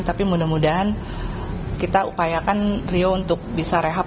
tapi mudah mudahan kita upayakan rio untuk bisa rehab